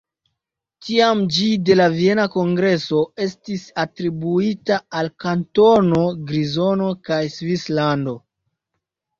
Tiam ĝi de la Viena Kongreso estis atribuita al Kantono Grizono kaj Svislando.